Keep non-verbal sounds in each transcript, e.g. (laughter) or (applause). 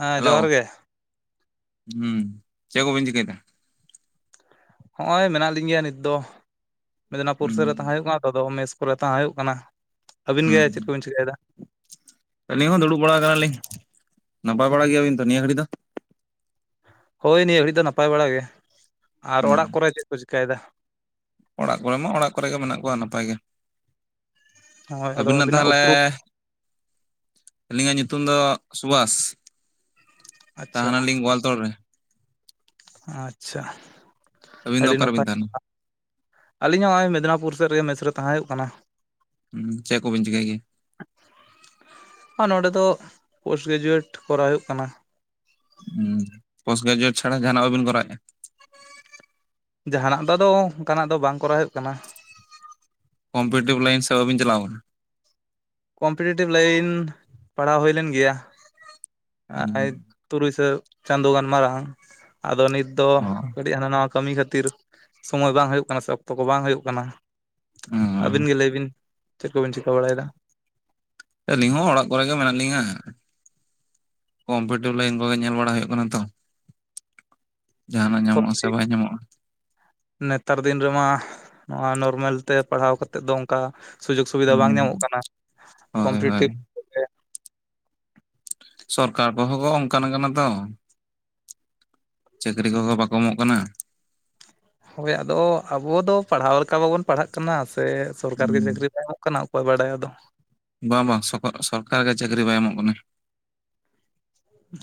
ᱦᱮᱸ ᱡᱚᱦᱟᱨ ᱦᱮᱞᱳ ᱜᱮ ᱦᱩᱸ ᱪᱮᱫ ᱠᱚᱵᱤᱱ ᱪᱤᱠᱟᱹᱭᱫᱟ ᱦᱚᱸᱜᱼᱚᱭ ᱢᱮᱱᱟᱜ ᱞᱤᱧ ᱜᱮᱭᱟ ᱱᱤᱛ ᱫᱚ ᱢᱮᱫᱽᱱᱟᱯᱩᱨ ᱦᱩᱸ ᱥᱮᱫ ᱨᱮ ᱛᱟᱦᱮᱸ ᱦᱩᱭᱩᱜ ᱠᱟᱱᱟ ᱛᱚ ᱯᱚᱨ ᱛᱟᱦᱮᱸ ᱦᱩᱭᱩᱜ ᱠᱟᱱᱟ ᱟᱹᱵᱤᱱ ᱜᱮ ᱪᱮᱫ ᱦᱩᱸ ᱠᱚᱵᱤᱱ ᱪᱤᱠᱟᱹᱭᱮᱫᱟ ᱟᱹᱞᱤᱧ ᱦᱚᱸ ᱫᱩᱲᱩᱵ ᱵᱟᱲᱟ ᱠᱟᱱᱟᱞᱤᱧ ᱱᱟᱯᱟᱭ ᱵᱟᱲᱟ ᱜᱮᱭᱟᱵᱤᱱ ᱛᱚ ᱱᱤᱭᱟᱹ ᱜᱷᱟᱹᱲᱤᱡ ᱫᱚ ᱦᱳᱭ ᱱᱤᱭᱟᱹ ᱜᱷᱟᱹᱲᱤᱡ ᱫᱚ ᱱᱟᱯᱟᱭ ᱵᱟᱲᱟ ᱜᱮ ᱟᱨ ᱦᱩᱸ ᱚᱲᱟᱜ ᱠᱚᱨᱮ ᱪᱮᱫ ᱠᱚ ᱪᱤᱠᱟᱹᱭᱮᱫᱟ ᱚᱲᱟᱜ ᱠᱚᱨᱮ ᱢᱟ ᱚᱲᱟᱜ ᱠᱚᱨᱮ ᱜᱮ ᱢᱮᱱᱟᱜ ᱠᱚᱣᱟ ᱱᱟᱯᱟᱭ ᱜᱮ ᱦᱳᱭ ᱟᱫᱚ ᱟᱹᱵᱤᱱᱟᱜ ᱛᱟᱦᱚᱞᱮ ᱩᱯᱨᱩᱢ ᱟᱹᱞᱤᱧᱟᱜ ᱧᱩᱛᱩᱢ ᱫᱚ ᱥᱩᱵᱷᱟᱥ ᱟᱪᱪᱷᱟ ᱛᱟᱦᱮᱱᱟᱞᱤᱧ ᱜᱳᱣᱟᱞᱛᱳᱲ ᱨᱮ ᱟᱪᱪᱷᱟ ᱟᱹᱵᱤᱱ ᱫᱚ ᱟᱹᱰᱤ ᱚᱠᱟᱨᱮᱵᱤᱱ ᱱᱟᱯᱟᱭ ᱛᱟᱦᱮᱱᱟ ᱟᱹᱞᱤᱧᱟᱜ ᱱᱚᱜᱼᱚᱭ ᱢᱮᱫᱽᱱᱟᱯᱩᱨ ᱥᱮᱫ ᱨᱮᱜ ᱢᱮᱥᱨᱮ ᱛᱟᱦᱮᱸ ᱦᱩᱭᱩᱜ ᱠᱟᱱᱟ ᱦᱩᱸ ᱪᱮᱫ ᱠᱚᱵᱤᱱ ᱪᱤᱠᱟᱹᱭ ᱜᱮ ᱟᱨ ᱱᱚᱸᱰᱮ ᱫᱚ ᱯᱳᱥᱴ ᱜᱨᱮᱡᱩᱭᱮᱴ ᱠᱚᱨᱟᱣ ᱦᱩᱭᱩᱜ ᱠᱟᱱᱟ ᱦᱮᱸ ᱯᱳᱥᱴ ᱜᱨᱮᱡᱩᱭᱮᱴ ᱪᱷᱟᱲᱟ ᱡᱟᱦᱟᱱᱟᱜ ᱵᱟᱵᱤᱱ ᱠᱚᱨᱟᱣᱮᱜᱼᱟ ᱡᱟᱦᱟᱱᱟᱜ ᱫᱚ ᱫᱚ ᱚᱱᱠᱟᱱᱟᱜ ᱫᱚ ᱵᱟᱝ ᱠᱚᱨᱟᱣ ᱦᱩᱭᱩᱜ ᱠᱟᱱᱟ ᱠᱚᱢᱯᱤᱭᱩᱴᱤᱵᱷ ᱞᱟᱭᱤᱱ ᱥᱮᱫ ᱵᱟᱵᱤᱱ ᱪᱟᱞᱟᱣ ᱠᱟᱱᱟ ᱠᱚᱢᱯᱤᱴᱮᱴᱤᱵᱷ ᱞᱟᱭᱤᱱ ᱯᱟᱲᱦᱟᱣ ᱦᱩᱭ ᱞᱮᱱ ᱜᱮᱭᱟ ᱦᱩᱸ ᱛᱩᱨᱩᱭ ᱥᱟᱭ ᱪᱟᱸᱫᱳ ᱜᱟᱱ ᱢᱟᱨᱟᱲᱟᱝ ᱟᱫᱚ ᱱᱤᱛ ᱫᱚ ᱚ ᱠᱟᱹᱴᱤᱡ ᱦᱟᱱᱟ ᱱᱟᱣᱟ ᱠᱟᱹᱢᱤ ᱠᱷᱟᱹᱛᱤᱨ ᱥᱚᱢᱚᱭ ᱵᱟᱝ ᱦᱩᱭᱩᱜ ᱠᱟᱱᱟ ᱥᱮ ᱚᱠᱛᱚ ᱠᱚ ᱵᱟᱝ ᱦᱩᱭᱩᱜ ᱠᱟᱱᱟ ᱦᱩᱸ ᱟᱹᱵᱤᱱ ᱜᱮ ᱞᱟᱹᱭ ᱵᱤᱱ ᱪᱮᱫ ᱠᱚᱵᱤᱱ ᱪᱤᱠᱟᱹ ᱵᱟᱲᱟᱭᱮᱫᱟ ᱟᱹᱞᱤᱧ ᱠᱚᱢᱯᱤᱴᱤᱵᱷ ᱞᱟᱭᱤᱱ ᱠᱚᱜᱮ ᱧᱮᱞ ᱵᱟᱲᱟ ᱦᱩᱭᱩᱜ ᱠᱟᱱᱟ ᱛᱚ ᱡᱟᱦᱟᱱᱟᱜ ᱧᱟᱢᱚᱜᱼᱟᱥᱮ ᱦᱳᱭ ᱵᱟᱭ ᱧᱟᱢᱚᱜᱼᱟ ᱱᱮᱛᱟᱨ ᱫᱤᱱ ᱨᱮᱢᱟ ᱱᱚᱣᱟ ᱱᱚᱨᱢᱮᱞ ᱛᱮ ᱯᱟᱲᱦᱟᱣ ᱠᱟᱛᱮᱮᱫ ᱫᱚ ᱚᱱᱠᱟ ᱥᱩᱡᱳᱜᱽ ᱥᱩᱵᱤᱫᱷᱟ ᱦᱩᱸ ᱵᱟᱝ ᱧᱟᱢᱚᱜ ᱠᱟᱱᱟ ᱦᱳᱭ ᱦᱳᱭ ᱠᱚᱢᱯᱤᱴᱤᱴᱤᱵᱷ ᱥᱚᱨᱠᱟᱨ ᱠᱚᱦᱚᱸ ᱠᱚ ᱚᱱᱠᱟᱱ ᱠᱟᱱᱟ ᱛᱚ ᱪᱟᱹᱠᱨᱤ ᱠᱚᱦᱚᱸ ᱵᱟᱠᱚ ᱮᱢᱚᱜ ᱠᱟᱱᱟ ᱦᱳᱭ ᱟᱫᱚ ᱟᱵᱚ ᱫᱚ ᱯᱟᱲᱦᱟᱣ ᱞᱮᱠᱟ ᱵᱟᱵᱚᱱ ᱯᱟᱲᱦᱟᱜ ᱠᱟᱱᱟ ᱥᱮ ᱥᱚᱨᱠᱟᱨ ᱜᱮ ᱦᱩᱸ ᱪᱟᱹᱠᱨᱤ ᱵᱟᱝ ᱮᱢᱚᱜ ᱠᱟᱱᱟ ᱠᱚ ᱵᱟᱰᱟᱭ ᱟ ᱫᱚ ᱵᱟᱝ ᱵᱟᱝ ᱥᱚᱨᱠᱟᱨ ᱜᱮ ᱪᱟᱹᱠᱨᱤ ᱵᱟᱭ ᱮᱢᱚᱜ ᱠᱟᱱᱟ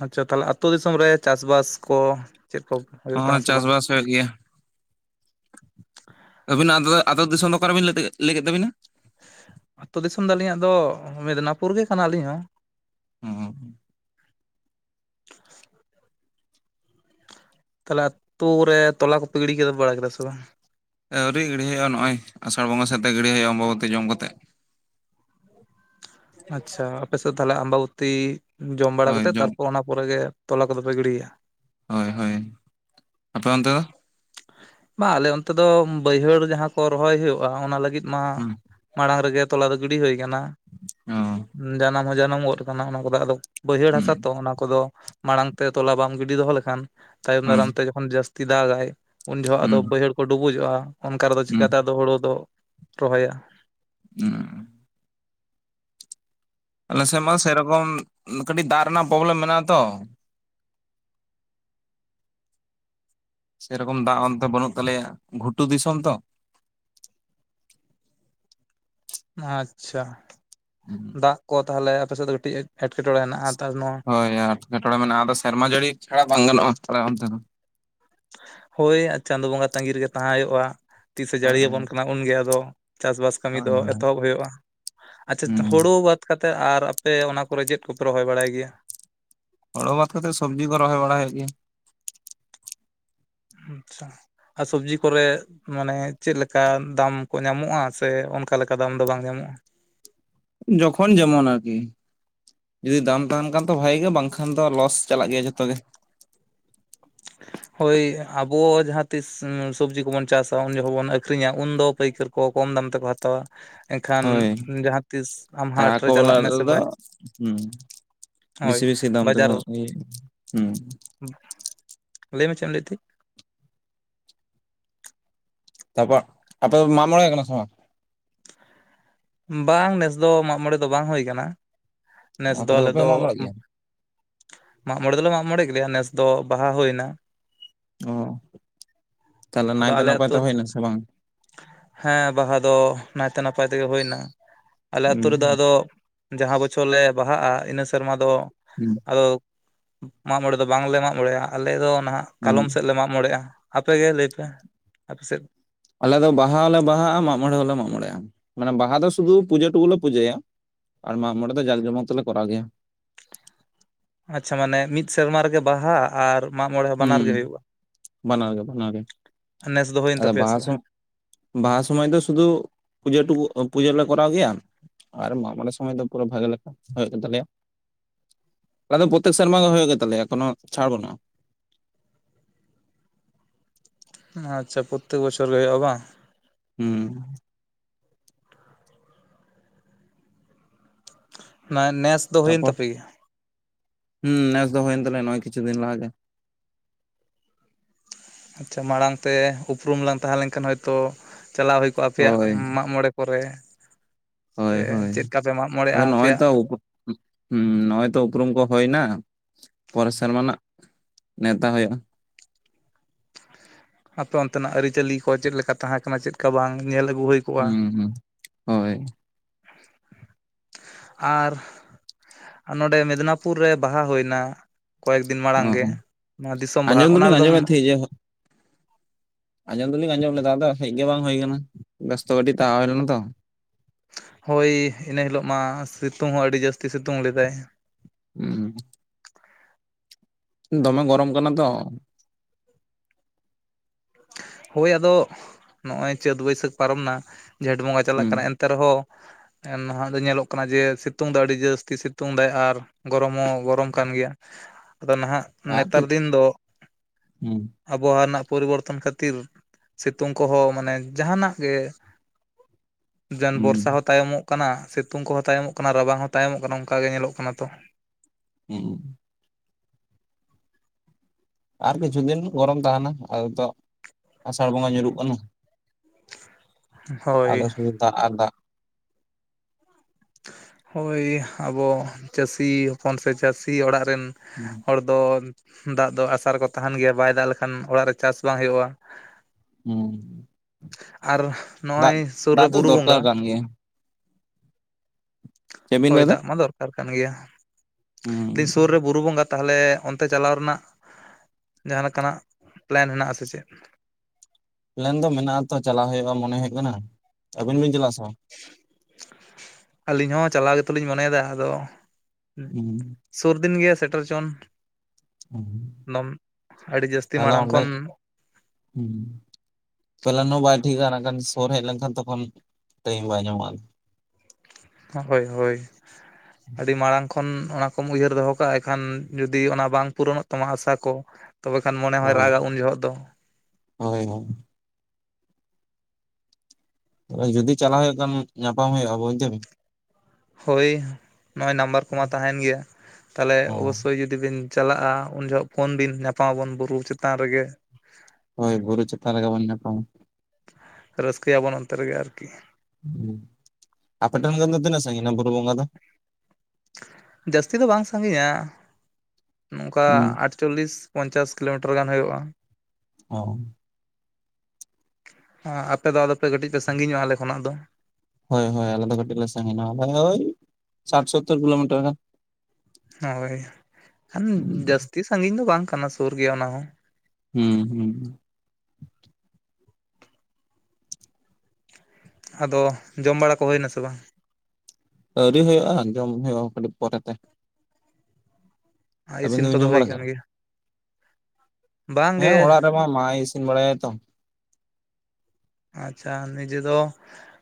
ᱟᱪᱪᱷᱟ ᱛᱟᱦᱞᱮ ᱟᱹᱛᱩ ᱫᱤᱥᱚᱢ ᱨᱮ ᱪᱟᱥᱵᱟᱥ ᱠᱚ ᱪᱮᱫ ᱠᱚ ᱦᱩᱭᱩᱜ ᱠᱟᱱᱟ ᱦᱚᱸ ᱥᱮ ᱵᱟᱝ ᱪᱟᱥᱵᱟᱥ ᱦᱩᱭᱩᱜ ᱜᱮᱭᱟ ᱟᱹᱵᱤᱱᱟᱜ ᱟᱹᱛᱩ ᱫᱤᱥᱚᱢ ᱫᱚ ᱚᱠᱟᱨᱮ ᱵᱮᱱ ᱞᱮᱟᱹᱭ ᱠᱮᱫ ᱛᱟᱵᱤᱱᱟ ᱟᱹᱛᱩ ᱫᱤᱥᱚᱢ ᱫᱚ ᱟᱹᱞᱤᱧᱟᱜ ᱫᱚ ᱢᱮᱫᱽᱱᱟᱯᱩᱨ ᱜᱮ ᱠᱟᱱᱟ ᱟᱹᱞᱤᱧ ᱦᱚᱸ ᱦᱩᱸ (inaudible) ᱛᱟᱦᱞᱮ ᱟᱹᱛᱩ ᱨᱮ ᱛᱚᱞᱟ ᱠᱚ ᱜᱤᱰᱤ ᱠᱮᱫᱟ ᱵᱟᱲᱟ ᱠᱮᱫᱟ ᱥᱮ ᱵᱟᱝ ᱟᱹᱣᱨᱤ ᱜᱤᱲᱤᱡ ᱦᱩᱭᱩᱜᱼᱟ ᱱᱚᱜᱼᱚᱭ ᱟᱥᱟᱲ ᱵᱚᱸᱜᱟ ᱥᱮᱛ ᱜᱤᱲᱤ ᱦᱩᱭᱩᱜᱼᱟ ᱚᱢᱵᱟᱵᱚᱛᱤ ᱡᱚᱢ ᱠᱟᱛᱮᱜ ᱟᱪᱪᱷᱟ ᱟᱯᱮᱥᱮᱫ ᱛᱟᱦᱚᱞᱮ ᱟᱢᱵᱟᱵᱛᱤᱤ ᱡᱚᱢ ᱵᱟᱲᱟ ᱦᱳᱭ ᱠᱟᱛᱮᱜ ᱡᱚᱢ ᱛᱟᱨᱯᱚᱨ ᱚᱱᱟ ᱯᱚᱨᱮᱜᱮ ᱛᱚᱞᱟ ᱠᱚᱫᱚ ᱯᱮ ᱜᱤᱰᱤᱭᱟ ᱦᱳᱭ ᱦᱳᱭ ᱟᱯᱮ ᱚᱱᱛᱮ ᱫᱚ ᱵᱟᱝ ᱟᱞᱮ ᱚᱱᱛᱮ ᱫᱚ ᱵᱟᱹᱭᱦᱟᱹᱲ ᱡᱟᱦᱟᱸ ᱠᱚ ᱨᱚᱦᱚᱭ ᱦᱩᱭᱩᱜᱼᱟ ᱚᱱᱟ ᱞᱟᱹᱜᱤᱫ ᱢᱟ ᱦᱩᱸ ᱢᱟᱲᱟᱝ ᱨᱮᱜᱮ ᱛᱚᱞᱟ ᱫᱚ ᱜᱤᱰᱤ ᱦᱩᱭ ᱟᱠᱟᱱᱟ ᱚ ᱡᱟᱱᱟᱢ ᱡᱟᱱᱟᱢ ᱜᱚᱫ ᱟᱠᱟᱱᱟ ᱚᱱᱟ ᱠᱚᱫᱚ ᱵᱟᱹᱭᱦᱟᱹᱲ ᱦᱟᱥᱟ ᱛᱚ ᱦᱩᱸ ᱚᱱᱟ ᱠᱚᱫᱚ ᱢᱟᱲᱟᱝ ᱛᱮ ᱛᱚᱞᱟ ᱵᱟᱢ ᱜᱤᱰᱤ ᱫᱚᱦᱚ ᱞᱮᱠᱷᱟᱱ ᱛᱟᱭᱚᱢ ᱦᱩᱸ ᱫᱟᱨᱟᱢ ᱛᱮ ᱡᱚᱠᱷᱚᱱ ᱡᱟᱹᱥᱛᱤ ᱫᱟᱜᱟᱭ ᱩᱱ ᱡᱚᱦ ᱟᱫᱚ ᱦᱩᱸ ᱵᱟᱹᱭᱦᱟᱹᱲ ᱠᱚ ᱰᱩᱵᱩᱡᱚᱜᱼᱟ᱾ ᱚᱱᱠᱟ ᱨᱮᱫᱚ ᱦᱩᱸ ᱪᱤᱠᱟᱛᱮ ᱟᱫᱚ ᱦᱩᱲᱩ ᱫᱚ ᱨᱚᱦᱚᱭᱟ᱾ ᱦ (unintelligible) ᱟᱞᱮ ᱥᱮᱫ ᱢᱟ ᱥᱮᱨᱚᱠᱚᱢ ᱠᱟᱹᱴᱤᱡ ᱫᱟᱜ ᱨᱮᱱᱟᱜ ᱯᱨᱚᱵᱞᱮᱢ ᱢᱮᱱᱟᱜᱼᱟ ᱛᱚ ᱥᱮᱨᱚᱠᱚᱢ ᱫᱟᱜ ᱚᱱᱛᱮ ᱵᱟᱹᱱᱩᱜ ᱛᱟᱞᱮᱭᱟ ᱜᱷᱩᱴᱩ ᱫᱤᱥᱚᱢ ᱛᱚ᱾ ᱻ (inaudible) ᱟᱪᱪᱷᱟ ᱫᱟᱜ ᱠᱚ ᱛᱟᱦᱚᱞᱮ ᱟᱯᱮ ᱥᱮᱫ ᱫᱚ ᱠᱟᱹᱴᱤᱡ ᱮᱴᱠᱮᱴᱚᱬᱮ ᱢᱮᱱᱟᱜᱼᱟ᱾ ᱦᱳᱭ ᱮᱴᱠᱮᱴᱚᱬᱮ ᱢᱮᱱᱟᱜᱼᱟ ᱟᱫᱚ ᱥᱮᱨᱢᱟ ᱡᱟᱹᱲᱤ ᱪᱷᱟᱲᱟ ᱵᱟᱝ ᱜᱟᱱᱚᱜᱼᱟ ᱟᱞᱮ ᱚᱱᱛᱮ ᱫᱚ᱾ ᱦᱳᱭ ᱟᱨ ᱪᱟᱸᱫᱚ ᱵᱚᱸᱜᱟ ᱛᱟᱟᱹᱜᱤ ᱨᱮᱜᱮ ᱛᱟᱦᱮᱸ ᱦᱩᱭᱩᱜᱼᱟ ᱛᱤᱥᱮ ᱦᱳᱭ ᱡᱟᱹᱲᱤᱭᱟᱵᱚᱱ ᱠᱟᱱᱟ ᱩᱱᱜᱮ ᱟᱫᱚ ᱪᱟᱥᱵᱟᱥ ᱠᱟᱹᱢᱤ ᱦᱳᱭ ᱫᱚ ᱦᱳᱭ ᱮᱛᱚᱦᱚᱵ ᱦᱩᱭᱩᱜᱼᱟ ᱟᱪᱪᱷᱟ ᱦᱩᱸ ᱦᱳᱲᱩ ᱵᱟᱫ ᱠᱟᱛᱮᱫ ᱟᱨ ᱟᱯᱮ ᱚᱱᱟ ᱠᱚᱨᱮ ᱪᱮᱫ ᱠᱚᱯᱮ ᱨᱚᱦᱚᱭ ᱵᱟᱲᱟᱭ ᱜᱮᱭᱟ? ᱦᱳᱨᱳ ᱵᱟᱫ ᱠᱟᱛᱮᱫ ᱥᱚᱵᱽᱡᱤ ᱠᱚ ᱨᱚᱦᱚᱭ ᱵᱟᱲᱟᱭ ᱦᱩᱭᱩᱜ ᱜᱮᱭᱟ᱾ ᱟᱪᱪᱷᱟ ᱟᱨ ᱥᱚᱵᱡᱤ ᱠᱚᱨᱮ ᱢᱟᱱᱮ ᱪᱮᱫᱞᱮᱠᱟ ᱫᱟᱢ ᱠᱚ ᱧᱟᱢᱚᱜᱼᱟ ᱥᱮ ᱚᱱᱠᱟ ᱞᱮᱠᱟ ᱫᱟᱢ ᱫᱚ ᱵᱟᱝ ᱧᱟᱢᱚᱜᱼᱟ᱾ ᱡᱚᱠᱷᱚᱱ ᱡᱮᱢᱚᱱ ᱟᱨᱠᱤ ᱡᱩᱫᱤ ᱫᱟᱢ ᱛᱟᱦᱮᱱ ᱠᱷᱟᱱ ᱛᱚ ᱵᱷᱟᱜᱮ ᱜᱮ ᱵᱟᱝᱠᱷᱟᱱ ᱫᱚ ᱞᱚᱥ ᱪᱟᱞᱟᱜ ᱜᱮᱭᱟ ᱡᱷᱚᱛᱚ ᱜᱮ᱾ ᱦᱳᱭ ᱟᱵᱚ ᱡᱟᱦᱟᱸᱛᱤᱥ ᱥᱚᱵᱡᱤ ᱠᱚᱵᱚᱱ ᱪᱟᱥᱟ ᱩᱱ ᱡᱚᱠᱷᱚᱱ ᱵᱚᱱ ᱟᱹᱠᱷᱨᱤᱧᱟ ᱩᱱᱫᱚ ᱯᱟᱹᱭᱟᱹᱨ ᱯᱟᱹᱷᱠᱟᱹᱨ ᱠᱚ ᱠᱚᱢ ᱫᱟᱢ ᱛᱮᱠᱚ ᱦᱟᱛᱟᱣᱟ ᱾ ᱮᱱᱠᱷᱟᱱ ᱦᱳᱭ ᱡᱟᱦᱟᱸᱛᱤᱥ ᱟᱢ ᱟᱨ ᱦᱟᱴᱨᱮ ᱟᱠᱚ ᱵᱮᱞᱟ ᱪᱟᱞᱟᱜ ᱢᱮᱥᱮ ᱨᱮᱫᱚ (unintelligible) ᱦᱩᱸ ᱵᱮᱥᱤ ᱵᱮᱥᱤ ᱫᱟᱢ ᱵᱟᱡᱟᱨ ᱛᱮᱠᱚ ᱼᱟ ᱦᱮᱸ (unintelligible) ᱞᱟᱹᱭ ᱢᱮ ᱪᱮᱫ ᱮᱢ ᱞᱟᱹᱭᱮᱫ ᱛᱟᱦᱮᱫ ᱛᱟᱨᱯᱚᱨ ᱟᱯᱮ ᱢᱟᱜᱢᱚᱬᱮ ᱠᱟᱱᱟ ᱥᱮ ᱵᱟᱝ? ᱵᱟᱝ ᱱᱮᱥ ᱫᱚ ᱢᱟᱜᱢᱚᱬᱮ ᱫᱚ ᱵᱟᱝ ᱦᱩᱭ ᱟᱠᱟᱱᱟ᱾ ᱱᱮᱥ ᱟᱯᱮ ᱫᱚ ᱟᱞᱮ ᱵᱟᱯᱮ ᱫᱚ ᱢᱟᱜ ᱢᱚᱬᱮᱜ ᱜᱮᱭᱟ ᱢᱟᱜᱢᱚᱬᱮ ᱫᱚᱞᱮ ᱢᱟᱜᱢᱚᱬᱮ ᱜᱮᱞᱮᱭᱟ ᱱᱮᱥ ᱫᱚ ᱫᱚ ᱵᱟᱦᱟ ᱦᱩᱭ ᱮᱱᱟ᱾ ᱚ ᱛᱟᱦᱚᱞᱮ ᱟᱫᱚ ᱱᱟᱭᱛᱮ ᱟᱞᱮ ᱱᱟᱯᱟᱭ ᱟᱹᱛᱩ ᱛᱮ ᱦᱩᱭᱱᱟ ᱥᱮ ᱵᱟᱝ ᱦᱮᱸ ᱵᱟᱦᱟ ᱫᱚ ᱱᱟᱭᱛᱮ ᱱᱟᱯᱟᱭ ᱱᱟᱯᱟᱭ ᱛᱮᱜᱮ ᱦᱩᱭᱱᱟ ᱟᱞᱮ ᱟᱛᱳ ᱦᱩᱸ ᱨᱮᱫᱚ ᱟᱫᱚ ᱡᱟᱦᱟᱸ ᱵᱚᱪᱷᱚᱨ ᱞᱮ ᱵᱟᱦᱟᱜᱼᱟ ᱤᱱᱟᱹ ᱥᱮᱨᱢᱟ ᱫᱚ ᱦᱩᱸ ᱟᱫᱚ ᱢᱟᱜ ᱢᱚᱬᱮ ᱫᱚ ᱵᱟᱝᱞᱮ ᱢᱟᱜᱽ ᱢᱚᱬᱮᱭᱟ ᱟᱞᱮ ᱫᱚ ᱱᱟᱦᱟᱜ ᱦᱩᱸ ᱠᱟᱞᱚᱢ ᱥᱮᱫ ᱞᱮ ᱢᱟᱜ ᱢᱚᱬᱮᱜᱼᱟ᱾ ᱟᱯᱮᱜᱮ ᱞᱟᱹᱭ ᱯᱮ ᱟᱯᱮ ᱥᱮᱫ ᱟᱞᱮ ᱫᱚ ᱵᱟᱦᱟ ᱦᱚᱸᱞᱮ ᱵᱟᱦᱟᱜᱼᱟ ᱢᱟᱜ ᱢᱚᱬᱮ ᱦᱚᱸᱞᱮ ᱢᱟᱜ ᱢᱚᱬᱮᱜᱼᱟ᱾ ᱢᱟᱱᱮ ᱵᱟᱦᱟ ᱫᱚ ᱥᱩᱫᱷᱩ ᱯᱩᱡᱟᱹ ᱴᱩᱠᱩ ᱞᱮ ᱯᱩᱡᱟᱹᱭᱟ ᱟᱨ ᱢᱟᱜᱢᱚᱬᱮ ᱫᱚ ᱡᱟᱞᱠ ᱡᱚᱢᱚᱠ ᱛᱮᱞᱮ ᱠᱚᱨᱟᱣ ᱜᱮᱭᱟ᱾ ᱟᱪᱪᱷᱟ ᱢᱟᱱᱮ ᱢᱤᱫ ᱥᱮᱨᱢᱟ ᱨᱮᱜᱮ ᱵᱟᱦᱟ ᱟᱨ ᱢᱟᱜ ᱢᱚᱬᱮ ᱵᱟᱱᱟᱨ ᱦᱩᱸ ᱜᱮ ᱦᱩᱭᱩᱜᱼᱟ ᱵᱟᱱᱟᱨ ᱜᱮ ᱵᱟᱱᱟᱨ ᱜᱮ ᱱᱮᱥ ᱫᱚ ᱦᱩᱭᱮᱱ ᱟᱫᱚ ᱛᱟᱯᱮᱭᱟ ᱵᱟᱦᱟ ᱥᱮ ᱵᱟᱝ ᱥᱚᱭ ᱵᱟᱦᱟ ᱥᱚᱢᱚᱭ ᱫᱚ ᱥᱩᱫᱩ ᱯᱩᱡᱟᱹᱩ ᱯᱩᱡᱟᱹᱞᱮ ᱠᱚᱨᱟᱣ ᱜᱮᱭᱟ ᱟᱨ ᱢᱟᱜᱢᱚᱬᱮ ᱥᱚᱢᱚᱭ ᱫᱚ ᱯᱩᱨᱟᱹ ᱵᱷᱟᱜᱮ ᱞᱮᱠᱟ ᱦᱩᱭᱩᱜ ᱜᱮ ᱛᱟᱞᱮᱭᱟ ᱚᱱᱟᱫᱚ ᱯᱨᱚᱛᱮᱠ ᱥᱮᱨᱢᱟ ᱜᱮ ᱦᱩᱭᱩᱜ ᱜᱮ ᱛᱟᱞᱮᱭᱟ ᱠᱚᱱᱳ ᱪᱷᱟᱲ ᱵᱚᱱᱟᱜ-ᱟ ᱾ ᱟᱪᱪᱷᱟ ᱯᱨᱚᱛᱛᱮᱮᱠ ᱵᱚᱪᱷᱚᱨ ᱜᱮ ᱦᱩᱭᱩᱜᱼᱟ ᱵᱟᱝ ᱦᱮᱸ ᱱᱚᱟ ᱱᱮᱥ ᱫᱚ ᱦᱩᱭᱮᱱ ᱛᱟᱯᱚᱨ ᱛᱟᱯᱮᱜ ᱜᱮᱭᱟ ᱦᱩᱸ ᱱᱮᱥ ᱫᱚ ᱦᱩᱭᱮᱱ ᱛᱟᱞᱮᱭᱟ ᱱᱚᱜᱼ ᱠᱤᱪᱷᱩ ᱫᱤᱱ ᱞᱟᱦᱟ ᱜᱮ ᱟᱪᱪᱷᱟ ᱢᱟᱲᱟᱝ ᱛᱮ ᱩᱯᱨᱩᱢ ᱞᱟᱝ ᱛᱟᱦᱮᱸ ᱞᱮᱱᱠᱷᱟᱱ ᱦᱚᱳᱭᱛᱳ ᱪᱟᱞᱟᱣ ᱦᱩᱭ ᱠᱚᱜᱼᱟ ᱟᱯᱮᱭᱟᱜ ᱦᱳᱭ ᱢᱟᱜᱢᱚᱬᱮ ᱠᱚᱨᱮ᱾ ᱦᱳᱭ ᱥᱮ ᱦᱳᱭ ᱪᱮᱫᱠᱟ ᱯᱮ ᱢᱟ ᱟᱫᱚ ᱱᱚᱼᱚᱭ ᱛᱚ ᱱᱚ-ᱚᱭ ᱛᱚ ᱩᱯᱨᱩᱢ ᱠᱚ ᱦᱩᱭᱱᱟ᱾ ᱯᱚᱨᱮ ᱥᱮᱨᱢᱟ ᱱᱟᱜ ᱱᱮᱶᱛᱟ ᱦᱩᱭᱩᱜᱼᱟ᱾ ᱟᱯᱮ ᱚᱱᱛᱮᱱᱟᱜ ᱟᱹᱨᱤᱪᱟᱹᱞᱤ ᱠᱚ ᱪᱮᱫᱞᱮᱠᱟ ᱛᱟᱦᱮᱸᱠᱟᱱᱟ ᱪᱮᱫᱞᱠᱟ ᱵᱟᱝ ᱧᱮᱞ ᱟᱹᱜᱩ ᱦᱩᱭ ᱠᱚᱜᱼᱟ᱾ ᱦᱩᱸ ᱦᱩᱸ ᱦᱳᱭ ᱟᱨ ᱱᱚᱸᱰᱮ ᱢᱮᱫᱽᱱᱟᱯᱩᱨ ᱨᱮ ᱵᱟᱦᱟ ᱦᱩᱭᱱᱟ᱾ ᱠᱚᱭᱮᱠ ᱫᱤᱱ ᱚ ᱢᱟᱲᱟᱝ ᱜᱮ ᱚ ᱱᱚᱣᱟ ᱫᱤᱥᱚᱢ ᱵᱟᱦᱟ ᱟᱸᱡᱚᱢ ᱚᱱᱟ ᱫᱚᱞᱤᱧ ᱨᱮᱫᱚᱢ ᱟᱸᱡᱚᱢᱮᱫ ᱛᱟᱦᱮᱸᱫ ᱡᱮ ᱟᱸᱡᱚᱢ ᱫᱚᱞᱤᱧ ᱟᱸᱡᱚᱢ ᱞᱮᱫᱟ ᱟᱫᱚ ᱦᱮᱡ ᱜᱮ ᱵᱟᱝ ᱦᱩᱭ ᱠᱟᱱᱟ ᱵᱮᱥᱛᱚ ᱠᱟᱹᱴᱤᱡ ᱛᱟᱦᱮ ᱦᱩᱭ ᱞᱮᱱᱟ ᱛᱚ᱾ ᱦᱳᱭ ᱤᱱᱟᱹ ᱦᱤᱞᱳᱜ ᱢᱟ ᱥᱤᱛᱩᱝ ᱦᱚᱸ ᱟᱹᱰᱤ ᱡᱟᱹᱥᱛᱤ ᱥᱤᱛᱩᱝ ᱞᱮᱫᱟᱭ᱾ ᱦᱮᱸ ᱫᱚᱢᱮ ᱜᱚᱨᱚᱢ ᱠᱟᱱᱟ ᱛᱚ᱾ ᱦᱳᱭ ᱟᱫᱚ ᱱᱚᱜᱼᱚᱭ ᱪᱟᱹᱛ ᱵᱟᱹᱭᱥᱟᱹᱠᱷ ᱯᱟᱨᱚᱢᱱᱟ᱾ ᱡᱷᱮᱸᱴ ᱵᱚᱸᱜᱟ ᱪᱟᱞᱟᱜ ᱦᱩᱸ ᱠᱟᱱᱟ ᱮᱱᱛᱮ ᱨᱮᱦᱚᱸ ᱱᱟᱦᱟᱜ ᱫᱚ ᱧᱮᱞᱚᱜ ᱠᱟᱱᱟ ᱡᱮ ᱥᱤᱛᱩᱝ ᱫᱚ ᱟᱹᱰᱤ ᱡᱟᱹᱥᱛᱤ ᱥᱤᱛᱩᱝ ᱫᱟᱭ ᱟᱨ ᱜᱚᱨᱚᱢ ᱦᱚᱸ ᱜᱚᱨᱚᱢ ᱠᱟᱱ ᱜᱮᱭᱟ᱾ ᱟᱫᱚ ᱱᱟᱦᱟᱜ ᱟᱨ ᱱᱮᱛᱟᱨ ᱠᱟᱹᱡ ᱫᱤᱱ ᱫᱚ ᱦᱩᱸ ᱟᱵᱚᱦᱟᱣᱟ ᱨᱮᱱᱟᱜ ᱯᱚᱨᱤᱵᱚᱨᱛᱚᱱᱼᱼ ᱛᱚᱱ ᱠᱷᱟᱹᱛᱤᱨ ᱥᱤᱛᱩᱝ ᱠᱚᱦᱚᱸ ᱢᱟᱱᱮ ᱡᱟᱦᱟᱱᱟᱜ ᱜᱮ ᱡᱮᱱ ᱦᱩᱸ ᱵᱚᱨᱥᱟ ᱦᱚᱸ ᱛᱟᱭᱚᱢᱚᱜ ᱠᱟᱱᱟ ᱥᱤᱛᱩᱝ ᱠᱚᱦᱚᱸ ᱛᱟᱭᱚᱢᱚᱜ ᱠᱟᱱᱟ ᱨᱟᱵᱟᱝ ᱦᱚᱸ ᱛᱟᱭᱚᱢᱚᱜ ᱠᱟᱱᱟ ᱚᱱᱠᱟᱟᱜ ᱜᱮ ᱧᱮᱞᱚᱜ ᱠᱟᱱᱟ ᱛᱚ ᱦᱮᱸ ᱟᱨ ᱠᱤᱪᱷᱩ ᱫᱤᱱ ᱜᱚᱨᱚᱢ ᱛᱟᱦᱮᱱᱟ ᱟᱫᱚ ᱛᱚᱜ ᱟᱥᱟᱲ ᱵᱚᱸᱜᱟ ᱧᱩᱨᱩᱜ ᱠᱟᱱᱟ᱾ ᱟᱫᱚ ᱦᱳᱭ ᱥᱩᱫᱩ ᱫᱟᱜ ᱟᱨ ᱫᱟᱜ ᱦᱳᱭ ᱟᱵᱚ ᱪᱟᱹᱥᱤ ᱦᱚᱯᱚᱱ ᱥᱮ ᱪᱟᱹᱥᱤ ᱚᱲᱟᱜ ᱨᱮᱱ ᱦᱚᱲ ᱫᱚ ᱫᱟᱜ ᱫᱚ ᱟᱥᱟᱨ ᱨᱮ ᱠᱚ ᱛᱟᱦᱮᱱ ᱜᱮᱭᱟ ᱵᱟᱭ ᱫᱟᱜ ᱞᱮᱠᱷᱟᱱ ᱚᱲᱟᱜ ᱨᱮ ᱪᱟᱥ ᱵᱟᱝ ᱦᱩᱭᱩᱜᱼᱟ ᱦᱮᱸ ᱟᱨ ᱱᱚᱜᱼᱚᱸᱭ ᱥᱩᱨ ᱨᱮ ᱵᱩᱨᱩ ᱫᱚᱨᱠᱟᱨ ᱵᱚᱸᱜᱟ᱾ ᱠᱟᱱ ᱜᱮᱭᱟ ᱪᱮᱫ ᱵᱤᱱ ᱦᱳᱭ ᱞᱟᱹᱭᱫᱟ ᱫᱟᱜ ᱢᱟ ᱫᱚᱨᱠᱟᱨ ᱠᱟᱱ ᱜᱮᱭᱟ ᱦᱩᱸ ᱟᱹᱰᱤᱤᱱ ᱥᱩᱨ ᱨᱮ ᱵᱩᱨᱩ ᱵᱚᱸᱜᱟ ᱛᱟᱦᱚᱞᱮ ᱚᱱᱛᱮ ᱪᱟᱞᱟᱣ ᱨᱮᱱᱟᱜ ᱡᱟᱦᱟᱸ ᱞᱮᱠᱟᱱᱟᱜ ᱯᱞᱮᱱ ᱢᱮᱱᱟᱜᱮᱱᱟᱜ ᱟᱥᱮ ᱪᱮᱫ? ᱯᱞᱮᱱ ᱫᱚ ᱢᱮᱱᱟᱜ ᱟᱛᱚ ᱪᱟᱞᱞᱟᱣ ᱦᱩᱭᱩᱜᱼᱟ ᱢᱚᱱᱮ ᱦᱩᱭᱩᱜ ᱠᱟᱱᱟ ᱟᱹᱵᱤᱱ ᱵᱤᱱ ᱪᱟᱞᱟᱜᱼᱟ ᱥᱮ ᱵᱟᱝ ᱟᱹᱞᱤᱧ ᱦᱚᱸ ᱪᱟᱞᱟᱣ ᱜᱮᱛᱚᱞᱤᱧ ᱢᱚᱱᱮᱭᱮᱫᱟ ᱟᱫᱚ ᱦᱩᱸ ᱥᱩᱨ ᱫᱤᱱ ᱜᱮᱭᱟ ᱥᱮᱴᱮᱨ ᱦᱚᱪᱚᱱ ᱚ ᱡᱟᱹᱥᱛᱤ ᱛᱟᱦᱞᱮ ᱢᱟᱲᱟᱝ ᱚᱰᱮ ᱠᱷᱚᱱ ᱦᱩ ᱯᱞᱮᱱ ᱦᱚᱸ ᱵᱟᱟᱭ ᱴᱷᱤᱠᱟ ᱠᱷᱟᱱ ᱥᱩᱨ ᱦᱮᱡ ᱞᱮᱱᱠᱷᱟᱱ ᱛᱚᱠᱷᱚᱱ ᱴᱟᱭᱤᱢ ᱵᱟᱭ ᱧᱟᱢᱚᱜᱼᱟ᱾ ᱦᱳᱭ ᱦᱳᱭ ᱟᱹᱰᱤ ᱢᱟᱲᱟᱝ ᱠᱷᱚᱱ ᱚᱱᱟ ᱠᱚᱢ ᱩᱭᱦᱟᱹᱨ ᱫᱚᱦᱚ ᱠᱟᱜᱼᱟ ᱮᱱᱠᱷᱟᱱ ᱡᱩᱫᱤ ᱚᱱᱟ ᱵᱟᱝ ᱯᱩᱨᱚᱱᱚᱜ ᱛᱟᱢᱟ ᱟᱥᱟ ᱠᱚ ᱛᱚᱵᱮ ᱠᱷᱟᱱ ᱢᱚᱱᱮ ᱦᱚᱭ ᱦᱳᱭ ᱨᱟᱜᱟ ᱩᱱ ᱡᱚᱦᱚᱜ ᱫᱚ᱾ ᱦᱳᱭ ᱦᱳᱭ ᱚ ᱡᱩᱫᱤ ᱪᱟᱞᱟᱜ ᱦᱩᱭᱩᱜ ᱠᱷᱟᱱ ᱧᱟᱯᱟᱢ ᱦᱩᱭᱩᱜᱼᱟ ᱵᱩᱡ ᱫᱟᱹᱢ᱾ ᱦᱳᱭ ᱱᱚᱜᱼᱚᱭ ᱱᱟᱢᱵᱟᱨ ᱠᱚᱢᱟ ᱛᱟᱦᱮᱱ ᱜᱮᱭᱟ ᱛᱟᱦᱚᱞᱮ ᱦᱚᱸ ᱚᱵᱚᱥᱥᱳᱭ ᱡᱩᱫᱤ ᱵᱮᱱ ᱪᱟᱞᱟᱜᱼᱟ ᱩᱱ ᱡᱚᱦᱠᱷᱚᱜ ᱯᱷᱳᱱ ᱵᱤᱱ ᱧᱟᱯᱟᱢᱟ ᱟᱵᱚᱱ ᱵᱩᱨᱩ ᱪᱮᱛᱟᱱ ᱨᱮᱜᱮ᱾ ᱦᱳᱭ ᱵᱩᱨᱩ ᱪᱮᱛᱟᱱ ᱨᱮᱜᱮ ᱵᱚᱱ ᱧᱟᱯᱟᱢ-ᱟ᱾ ᱠᱮᱭᱟᱵᱚᱱ ᱚᱱᱛᱮ ᱨᱮᱜᱮ ᱟᱨᱠᱤ (unintelligible) ᱟᱯᱮ ᱴᱷᱮᱱ ᱠᱷᱚᱱ ᱫᱚ ᱛᱤᱱᱟᱹᱜ ᱥᱟᱺᱜᱤᱧ ᱮᱱᱟ ᱵᱩᱨᱩ ᱵᱚᱸᱜᱟ ᱫᱚ? ᱡᱟᱹᱥᱛᱤ ᱫᱚ ᱵᱟᱝ ᱥᱟᱺᱜᱤᱧᱟ ᱱᱚᱝᱠᱟ ᱦᱩᱸ, ᱟᱴᱪᱚᱞᱞᱤᱥ ᱯᱚᱧᱪᱟᱥ ᱠᱤᱞᱳᱢᱤᱴᱟᱨ ᱜᱟᱱ ᱦᱩᱭᱩᱜᱼᱟ᱾ ᱚ ᱟᱯᱮ ᱫᱚ ᱟᱫᱚᱯᱮ ᱠᱟᱹᱴᱤᱡ ᱯᱮ ᱥᱟᱺᱜᱤᱧᱚᱜᱼᱟ ᱟᱞᱮ ᱠᱷᱚᱱᱟᱜ ᱫᱚ᱾ ᱦᱳᱭ ᱦᱳᱭ ᱟᱞᱟᱫᱟ ᱠᱟᱹᱴ ᱞᱮ ᱥᱱᱟ ᱟ ᱳᱭ ᱥᱟᱴ ᱥᱳᱚᱛᱛᱳᱨ ᱠᱤᱞᱳᱢᱤᱴᱟᱨ ᱜᱟᱱ᱾ ᱦᱳᱭ ᱡᱟᱹᱥᱛᱤ ᱥᱟᱺᱜᱤᱧ ᱫᱚ ᱵᱟᱝ ᱠᱟᱱᱟ ᱥᱩᱨ ᱜᱮ ᱚᱱᱟ ᱦᱚᱸ᱾ ᱦᱮᱸ ᱦᱮᱸ ᱟᱫᱚ ᱡᱚᱢ ᱵᱟᱲᱟ ᱠᱚ ᱦᱩᱭ ᱱᱟᱥᱮ ᱵᱟᱝ? ᱟᱹᱣᱨᱤ ᱦᱩᱭᱩᱜᱼᱟ ᱡᱚᱢ ᱦᱩᱭᱩᱜᱼᱟ ᱠᱟᱹᱴᱤᱡ ᱯᱚᱨᱮᱛᱮ᱾ ᱟᱨ ᱟᱹᱵᱤᱱ ᱤᱥᱤᱱ ᱫᱚᱵᱤᱱ ᱠᱚᱫᱚ ᱡᱚᱢ ᱦᱩᱭ ᱵᱟᱲᱟ ᱠᱟᱱ ᱠᱮᱫᱟ ᱜᱮᱭᱟ? ᱵᱟᱝ ᱜᱮ ᱦᱮᱸ ᱚᱲᱟᱜ ᱨᱮᱢᱟ ᱢᱟᱭ ᱤᱥᱤᱱ ᱵᱟᱲᱟᱭᱟ ᱛᱚ᱾ ᱟᱪᱪᱷᱟ ᱱᱤᱡᱮ ᱫᱚ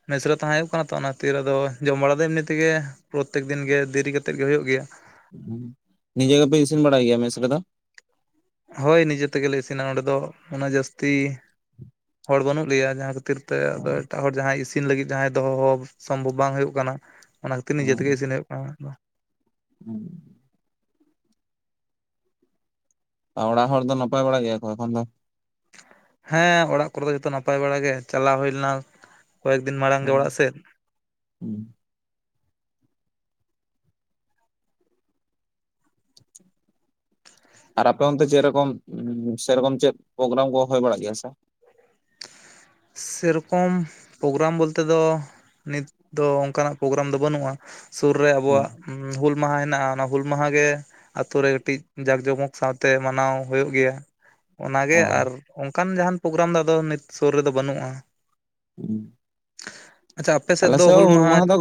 ᱢᱮᱤᱥᱨᱮ ᱛᱟᱦᱮᱸ ᱦᱩᱭᱩᱜ ᱠᱟᱱᱟ ᱛᱚ ᱚᱱᱟ ᱛᱤ ᱟᱫᱚ ᱡᱚᱢ ᱵᱟᱲᱟ ᱫᱚ ᱮᱢᱱᱤ ᱛᱮᱜᱮ ᱯᱨᱚᱛᱛᱮᱠ ᱫᱤᱱ ᱜᱮ ᱫᱮᱨᱤ ᱠᱟᱛᱮᱫ ᱜᱮ ᱦᱩᱭᱩᱜ ᱜᱮᱭᱟ᱾ ᱱᱤᱡᱮ ᱜᱮᱯᱮ ᱤᱥᱤᱱ ᱵᱟᱲᱟᱭ ᱜᱮᱭᱟ ᱢᱮᱥ ᱨᱮ ᱫᱚ? ᱦᱳᱭ ᱱᱤᱡᱮ ᱛᱮᱜᱮᱞᱮ ᱤᱥᱤᱱᱟ ᱱᱚᱸᱰᱮ ᱫᱚ ᱩᱱᱟᱹᱜ ᱡᱟᱹᱥᱛᱤ ᱦᱚᱲ ᱵᱟᱹᱱᱩᱜ ᱞᱮᱭᱟ ᱡᱟᱦᱟᱸᱤᱨ ᱠᱷᱟᱹᱛᱤᱨ ᱛᱮ ᱮᱴᱟᱜ ᱦᱚᱲ ᱡᱟᱦᱟᱸᱭ ᱤᱥᱤᱱ ᱞᱟᱹᱜᱤᱫ ᱡᱟᱦᱸᱟᱭ ᱫᱚᱦᱚ ᱥᱚᱢᱵᱷᱚᱵᱽ ᱵᱟᱝ ᱦᱩᱭᱩᱜ ᱠᱟᱱᱟ᱾ ᱚᱱᱟ ᱠᱷᱟᱹᱛᱤᱨ ᱱ ᱡᱛᱮᱜ ᱜᱮ ᱤᱥᱤᱱ ᱦᱩᱭᱩᱜ ᱠᱟᱱᱟ᱾ ᱦᱮᱸ ᱚᱲᱟᱜ ᱦᱚᱲ ᱫᱚ ᱱᱟᱯᱟᱭ ᱵᱟᱲᱟ ᱜᱮᱭᱟ ᱠᱚ ᱮᱠᱷᱚᱱ ᱫᱚ? ᱦᱮᱸ ᱚᱲᱟᱜ ᱠᱚᱨᱮ ᱫᱚ ᱡᱚᱛᱚ ᱱᱟᱯᱟᱭ ᱵᱟᱲᱟᱟᱜ ᱜᱮ ᱪᱟᱞᱟᱣ ᱦᱩᱭ ᱞᱮᱱᱟ ᱠᱚᱭᱮᱠ ᱫᱤᱱ ᱢᱟᱲᱟᱝ ᱜᱮ ᱚᱲᱟᱜ ᱥᱮᱫ ᱟᱨ ᱟᱯᱮ ᱚᱱᱛᱮ ᱥᱮᱮᱨᱚᱠᱚᱢ ᱥᱮᱨᱚᱠᱚᱢ ᱪᱮᱫ ᱯᱨᱳᱜᱨᱟᱢ ᱠᱚ ᱦᱩᱭᱭ ᱵᱟᱲᱟᱜ ᱜᱮᱭᱟ ᱥᱮ (inaudible) ᱥᱮᱨᱚᱠᱚᱢ ᱯᱨᱳᱜᱨᱟᱢ ᱵᱚᱞᱛᱮ ᱫᱚ ᱱᱤᱛ ᱫᱚ ᱚᱱᱠᱟᱱᱟᱜ ᱯᱨᱳᱜᱨᱟᱢ ᱫᱚ ᱵᱟᱹᱱᱩᱜᱼᱟ᱾ ᱥᱩᱨ ᱨᱮ ᱦᱮᱸ ᱟᱵᱚᱣᱟᱜ ᱦᱩᱞ ᱢᱟᱦᱟ ᱦᱮᱱᱟᱜᱼᱟ ᱚᱱᱟ ᱦᱩᱞ ᱢᱟᱦᱟ ᱜᱮ ᱟᱛᱳ ᱨᱮ ᱠᱟᱹᱴᱤᱡ ᱡᱟᱸᱠ ᱡᱚᱢᱚᱠ ᱥᱟᱶᱛᱮ ᱢᱟᱱᱟᱣ ᱦᱩᱭᱩᱜ ᱜᱮᱭᱟ᱾ ᱚᱱᱟᱜᱮ ᱚ ᱟᱨ ᱚᱱᱠᱟᱱ ᱡᱟᱦᱟᱱ ᱯᱨᱳᱜᱨᱟᱢ ᱫᱚ ᱟᱫᱚ ᱱᱤᱛ ᱥᱩᱨ ᱨᱮᱫᱚ ᱵᱟᱹᱱᱩᱜᱼᱟ᱾ ᱦᱮᱸ ᱟᱞᱮ ᱥᱮᱫ ᱦᱩᱞ ᱢᱟᱦᱟ ᱫᱚ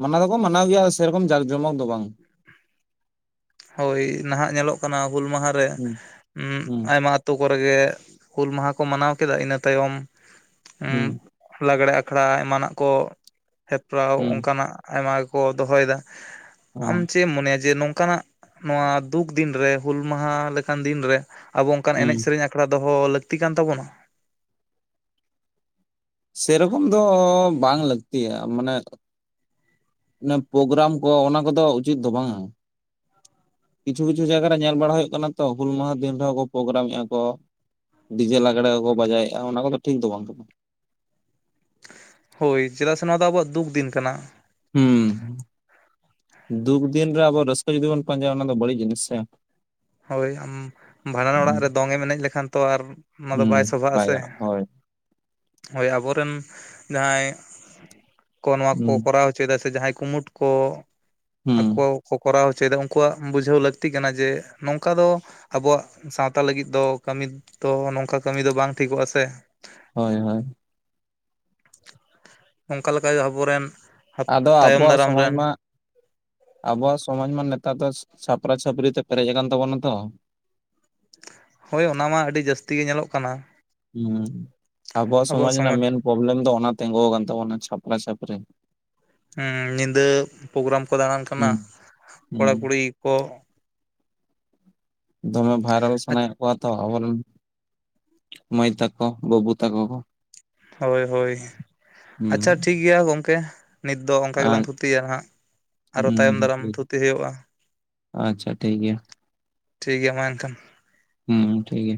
ᱢᱟᱱᱟᱣ ᱫᱚᱠᱚ ᱢᱟᱱᱟᱣ ᱜᱮᱭᱟ ᱥᱮᱨᱚᱠᱚᱢ ᱡᱟᱠ ᱡᱚᱢᱚᱠ ᱫᱚ ᱵᱟᱝ ᱦᱳᱭ ᱱᱟᱦᱟᱜ ᱧᱮᱞᱚᱜ ᱠᱟᱱᱟ ᱦᱩᱞ ᱢᱟᱦᱟᱨᱮ ᱦᱩᱸ ᱦᱩᱸ ᱟᱭᱢᱟᱛᱳ ᱠᱚᱨᱮ ᱜᱮ ᱦᱩᱞ ᱢᱟᱦᱟ ᱠᱚ ᱠᱚ ᱢᱟᱱᱟᱣ ᱠᱮᱫᱟ ᱤᱱᱟᱹ ᱛᱟᱭᱚᱢ ᱦᱩᱸ ᱞᱟᱜᱽᱲᱮ ᱟᱠᱷᱲᱟ ᱮᱢᱟᱱᱟᱜ ᱠᱚ ᱦᱮᱯᱨᱟᱣ ᱦᱩᱸ ᱚᱱᱠᱟᱱᱟᱜ ᱟᱭᱢᱟ ᱜᱮᱠᱚ ᱫᱚᱦᱚᱭᱮᱫᱟ ᱚ ᱟᱢ ᱪᱮᱫ ᱮᱢ ᱢᱚᱱᱮᱭᱟ ᱡᱮ ᱱᱚᱝᱠᱟᱱᱟᱜ ᱱᱚᱣᱟ ᱫᱩᱠ ᱫᱤᱱᱨᱮ ᱦᱩᱞ ᱢᱟᱦᱟ ᱞᱮᱠᱟᱱ ᱫᱤᱱᱨᱮ ᱟᱵᱚ ᱚᱱᱠᱟᱱ ᱦᱩᱸ ᱮᱱᱮᱡ ᱥᱮᱨᱮᱧ ᱟᱠᱷᱲᱟ ᱫᱚᱦᱚ ᱞᱟᱹᱠᱛᱤ ᱠᱟᱱ ᱛᱟᱵᱚᱱᱟ ᱥᱮᱨᱚᱠᱚᱢ ᱫᱚ ᱵᱟᱝ ᱞᱟᱹᱠᱛᱤᱭᱟ ᱢᱟᱱᱮ ᱯᱨᱳᱜᱨᱟᱢ ᱠᱚ ᱚᱱᱟ ᱠᱚᱫᱚ ᱩᱪᱤᱛ ᱫᱚ ᱵᱟᱝᱼᱟ᱾ ᱠᱤᱪᱷᱩ ᱠᱤᱪᱷᱩ ᱡᱟᱭᱜᱟ ᱨᱮ ᱧᱮᱞ ᱵᱟᱲᱟ ᱦᱩᱭᱩᱜ ᱠᱟᱱᱟ ᱛᱚ ᱦᱩᱞ ᱢᱟᱦᱟ ᱫᱤᱱ ᱨᱮᱦᱚᱸ ᱠᱚ ᱯᱨᱳᱜᱨᱟᱢᱮᱫᱼᱟ ᱠᱚ ᱰᱤᱡᱮᱞ ᱟᱜᱽᱲᱟᱮ ᱠᱚᱠᱚ ᱵᱟᱡᱟᱭᱮᱫᱼᱟ ᱚᱱᱟ ᱠᱚᱫᱚ ᱴᱷᱤᱠ ᱫᱚ ᱵᱟᱝ ᱠᱟᱱᱟ᱾ ᱦᱳᱭ ᱪᱮᱫᱟᱜ ᱥᱮ ᱱᱚᱣᱟ ᱫᱚ ᱟᱵᱚᱣᱟᱜ ᱫᱩᱠ ᱫᱤᱱ ᱠᱟᱱᱟ᱾ ᱦᱮᱸ ᱫᱩᱠ ᱫᱤᱱ ᱨᱮ ᱟᱵᱚ ᱨᱟᱹᱥᱠᱟᱹ ᱡᱩᱫᱤ ᱵᱚᱱ ᱯᱟᱸᱡᱟᱭᱟ ᱚᱱᱟ ᱫᱚ ᱵᱟᱹᱲᱤᱡ ᱡᱤᱱᱤᱥ ᱥᱮ ᱦᱳᱭ ᱟᱢ ᱵᱷᱟᱸᱰᱟᱱ ᱚᱲᱟᱜ ᱨᱮ ᱫᱚᱝ ᱮᱱᱮᱡ ᱞᱮᱠᱷᱟᱱ ᱛᱚ ᱟᱨ ᱚᱱᱟ ᱫᱚ ᱦᱩᱸ ᱵᱟᱭ ᱥᱚᱵᱷᱟᱜ ᱟᱥᱮ ᱜᱟᱱᱚᱜᱼᱟ ᱦᱳᱭ ᱦᱳᱭ ᱟᱵᱚᱨᱮᱱ ᱡᱟᱦᱟᱸᱭ ᱠᱚ ᱱᱚᱣᱟ ᱦᱩᱸ ᱠᱚᱠᱚ ᱠᱚᱨᱟᱣ ᱦᱚᱪᱚᱭᱮᱫᱟ ᱥᱮ ᱥᱮ ᱡᱟᱦᱟᱸᱭ ᱠᱩᱢᱩᱴ ᱠᱚ ᱦᱩᱸ ᱟᱠᱚ ᱠᱚ ᱠᱚᱨᱟᱣ ᱦᱚᱪᱚᱭᱮᱫᱟ ᱩᱱᱠᱩᱣᱟᱜ ᱵᱩᱡᱷᱟᱹᱣ ᱞᱟᱹᱠᱛᱤ ᱠᱟᱱᱟ ᱡᱮ ᱱᱚᱝᱠᱟ ᱫᱚ ᱟᱵᱚᱣᱟᱜ ᱥᱟᱶᱛᱟ ᱞᱟᱹᱜᱤᱫ ᱫᱚ ᱠᱟᱹᱢᱤ ᱫᱚ ᱱᱚᱝᱠᱟ ᱠᱟᱹᱢᱤ ᱫᱚ ᱵᱟᱝ ᱴᱷᱤᱠᱚᱜᱼᱟ ᱥᱮ ᱦᱳᱭ ᱦᱳᱭ ᱚᱱᱠᱟ ᱞᱮᱠᱟ ᱟᱵᱚ ᱨᱮᱱ ᱟᱫᱚ ᱟᱵᱚᱣᱟᱜ ᱥᱚᱢᱟᱡᱽ ᱢᱟ ᱟᱵᱚᱣᱟᱜ ᱥᱚᱢᱟᱡ ᱢᱟ ᱱᱮᱛᱟᱨ ᱫᱚ ᱪᱷᱟᱯᱨᱟᱼ ᱪᱷᱟᱯᱟᱹᱨᱤ ᱛᱮ ᱯᱮᱨᱮᱡ ᱟᱠᱟᱱ ᱛᱟᱵᱚᱱᱟ ᱛᱚ ᱦᱳᱭ ᱚᱱᱟ ᱢᱟ ᱟᱹᱰᱤ ᱡᱟᱹᱥᱛᱤ ᱜᱮ ᱧᱮᱞᱚᱜ ᱠᱟᱱᱟ (unintelligible) ᱟᱵᱚᱣᱟᱜ ᱥᱚᱢᱟᱡᱽ ᱨᱮᱱᱟᱜ ᱢᱮᱱ ᱯᱨᱚᱵᱞᱮᱢ ᱫᱚ ᱚᱱᱟ ᱛᱤᱸᱜᱩ ᱟᱠᱟᱱ ᱛᱟᱵᱚᱱᱟ ᱪᱷᱟᱯᱨᱟᱼ ᱪᱟᱹᱯᱨᱤ ᱦᱮᱸ ᱧᱤᱫᱟᱹ ᱯᱨᱳᱜᱨᱟᱢ ᱠᱚ ᱫᱟᱬᱟᱱ ᱠᱟᱱᱟ ᱦᱩᱸ ᱦᱩᱸ ᱠᱚᱲᱟᱠᱩᱲᱤ ᱠᱚ ᱫᱚᱢᱮ ᱵᱷᱟᱭᱨᱟᱞ ᱥᱟᱱᱟᱭᱮᱫ ᱠᱚᱣᱟ ᱛᱚ ᱟᱵᱚᱨᱮᱱ ᱢᱟᱹᱭ ᱛᱟᱠᱚ ᱵᱟᱹᱵᱩ ᱛᱟᱠᱚ ᱠᱚ ᱦᱳᱭ ᱦᱳᱭ ᱦᱩᱸ ᱟᱪᱪᱷᱟ ᱴᱷᱤᱠ ᱜᱮᱭᱟ ᱜᱚᱢᱠᱮ ᱱᱤᱛ ᱫᱚ ᱚᱱᱠᱟ ᱟᱨ ᱜᱮᱞᱟᱝ ᱛᱷᱩᱛᱤᱭᱟ ᱱᱟᱦᱟᱜ ᱟᱨᱦᱚ ᱛᱟᱭᱚᱢ ᱦᱩᱸ ᱫᱟᱨᱟᱢ ᱛᱷᱩᱛᱤ ᱦᱩᱭᱩᱜᱼᱟ᱾ ᱟᱪᱪᱷᱟ ᱴᱷᱤᱠ ᱜᱮᱭᱟ᱾ ᱴᱷᱤᱠ ᱜᱮᱭᱟ ᱢᱟ ᱮᱱᱠᱷᱟᱱ ᱦᱮᱸ ᱴᱷᱤᱠ ᱜᱮᱭᱟ᱾